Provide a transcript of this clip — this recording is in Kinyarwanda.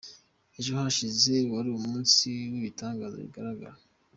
Eejo hashize wari umunsi w’ibitangaza bigaragara.